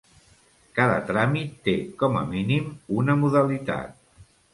Cada tràmit té, com a mínim, una modalitat.